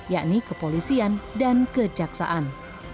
yakni kepolisian dan kejaksaan